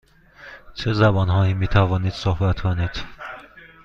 چه زبان هایی می توانید صحبت کنید؟